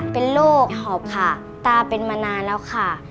เป็นโรคหอบค่ะตาเป็นมานานแล้วค่ะ